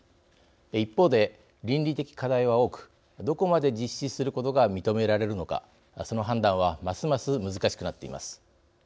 一方で倫理的課題は多くどこまで実施することが認められるのかその判断はますます難しくなっています。